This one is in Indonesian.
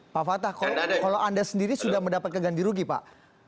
pak fatah kalau anda sendiri sudah mendapat keganti rugi pak